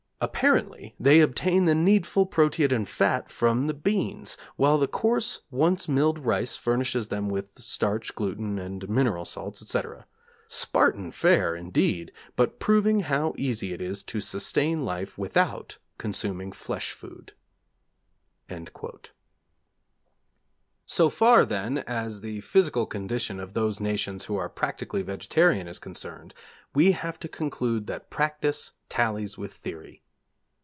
Apparently they obtain the needful proteid and fat from the beans; while the coarse once milled rice furnishes them with starch, gluten, and mineral salts, etc. Spartan fare, indeed, but proving how easy it is to sustain life without consuming flesh food.' So far, then, as the physical condition of those nations who are practically vegetarian is concerned, we have to conclude that practice tallies with theory.